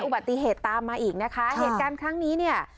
อุบัติเหตุตามมาอีกนะคะเหตุการณ์ครั้งนี้เนี่ย